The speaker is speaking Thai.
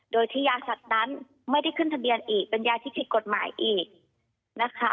โดยที่ยาสัตว์นั้นไม่ได้ขึ้นทะเบียนอีกเป็นยาที่ผิดกฎหมายอีกนะคะ